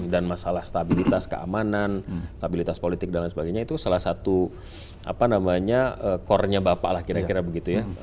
dan masalah stabilitas keamanan stabilitas politik dan lain sebagainya itu salah satu core nya bapak lah kira kira begitu ya